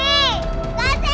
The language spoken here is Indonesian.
kak sally jahat